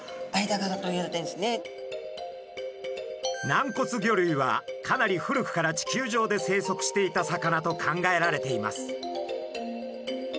軟骨魚類はかなり古くから地球上で生息していた魚と考えられています。